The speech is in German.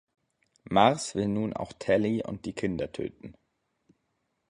Mars will nun auch Talley und die Kinder töten.